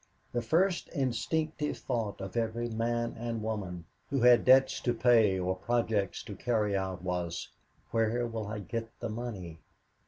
The first instinctive thought of every man and woman who had debts to pay or projects to carry out was, "Where will I get the money?"